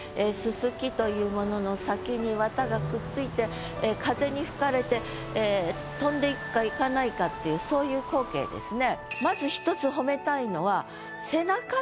芒というものの先に絮がくっついて風に吹かれて飛んでいくかいかないかっていうそういう光景ですね。